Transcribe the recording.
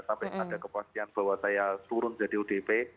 sampai ada kepastian bahwa saya turun jadi odp